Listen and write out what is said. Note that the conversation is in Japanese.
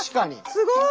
すごい！